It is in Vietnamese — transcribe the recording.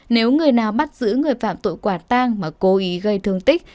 nếu người nào bắt giữ người phạm tội quả tang mà cố ý gây thương tích